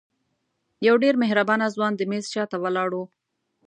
یو ډېر مهربانه ځوان د میز شاته ولاړ و.